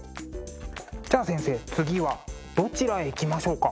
じゃあ先生次はどちらへ行きましょうか？